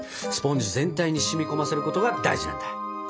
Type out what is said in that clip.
スポンジ全体に染み込ませることが大事なんだ。